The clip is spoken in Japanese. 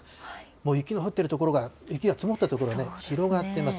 もう雪の降っている所が、雪が積もった所がね、広がってます。